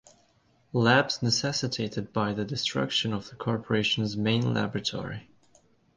Labs necessitated by the destruction of the corporation's main laboratory.